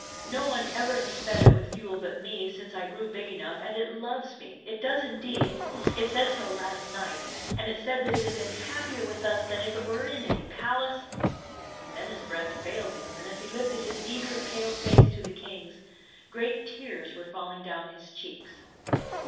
No one ever has fed it with fuel but me since I grew big enough, and it loves me; — it does indeed; it said so last night; and it said that it had been happier with us than if it were in any palace —" And then his breath failed him, and, as he Ufted his eager, pale face to the king's, great tears were falling down his cheeks.